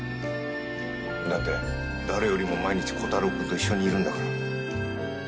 だって誰よりも毎日コタローくんと一緒にいるんだから。